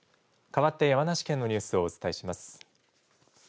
かわって山梨県のニュースをお伝えします。